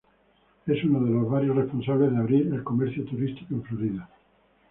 Es uno de los varios responsables de abrir el comercio turístico en Florida.